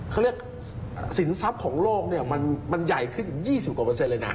เขาเรียกสินทรัพย์ของโลกเนี่ยมันใหญ่ขึ้นอีก๒๐๒๕เลยนะ